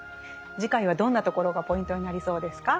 次回はどんなところがポイントになりそうですか？